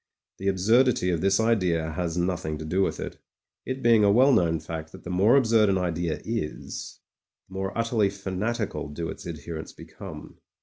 The absurdity of this idea has nothing to do with it, it being a well known fact that the more absurd an idea is, the more utterly fanatical do its adherents become.